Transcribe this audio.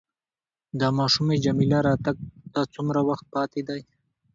د ماشومې جميله راتګ ته څومره وخت پاتې دی؟